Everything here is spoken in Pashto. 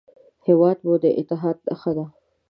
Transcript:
هېواد مو د اتحاد نښه ده